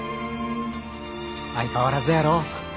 相変わらずやろ？